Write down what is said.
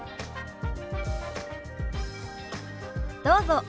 どうぞ。